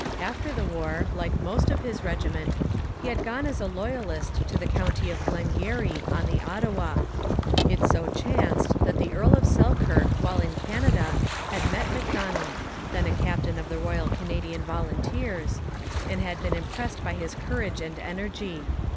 After the war, like most of his regiment, he had gone as a Loyalist to the county of Glengarry, on the Ottawa. It so chanced that the Earl of Selkirk while in Canada had met Macdonell, then a captain of the Royal Canadian Volunteers, and had been impressed by his courage and energy.